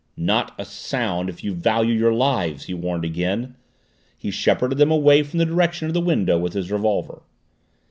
"Not a sound if you value your lives!" he warned again, he shepherded them away from the direction of the window with his revolver.